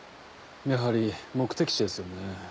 やはり目的地ですよね。